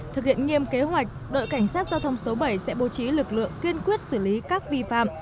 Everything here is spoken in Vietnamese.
thực hiện nghiêm kế hoạch đội cảnh sát giao thông số bảy sẽ bố trí lực lượng kiên quyết xử lý các vi phạm